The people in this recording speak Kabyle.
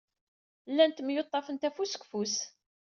Llant myuṭṭafent afus deg ufus.